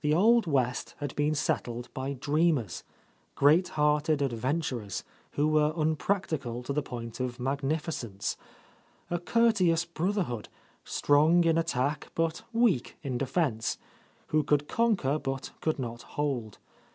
The Old West had been settled by dreamers, great hearted adven turers who were unpractical to the point of mag nificence; a courteous brotherhood, strong in at tack but weak in defence, who could conquer but could not hold.